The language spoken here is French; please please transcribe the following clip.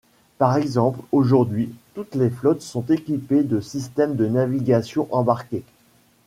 Par exemple aujourd'hui, toutes les flottes sont équipées de systèmes de navigation embarqués.